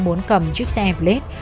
muốn cầm chiếc xe m plate